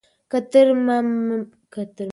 که ترمامیتر وي نو تبه نه پټیږي.